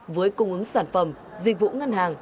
với cung ứng sản phẩm dịch vụ ngân hàng